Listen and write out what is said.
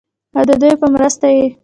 او ددوي پۀ مرسته ئې